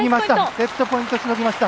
セットポイント、しのぎました。